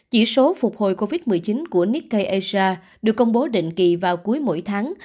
chỉ số phục hồi covid một mươi chín của nikkei asia được công bố định kỳ vào cuối mỗi tháng